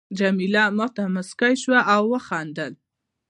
جميله ما ته مسکی شول او وخندل.